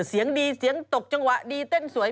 เสียงดีเสียงตกจังหวะดีเต้นสวย